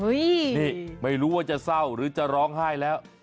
นี่ไม่รู้ว่าจะเศร้าหรือจะร้องไห้แล้ว